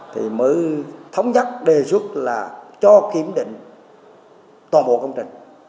thì mới thống nhất đề xuất là cho kiểm định toàn bộ công trình